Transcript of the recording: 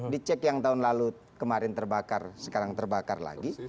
dicek yang tahun lalu kemarin terbakar sekarang terbakar lagi